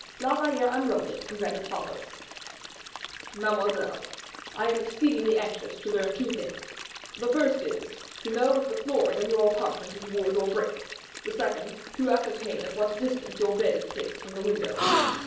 La Valliere unrolled it and read as follows: "MADEMOISELLE, I am exceedingly anxious to learn two things: the first is, to know if the flooring of your apartment is wood or brick; the second, to ascertain at what distance your bed is placed from the window.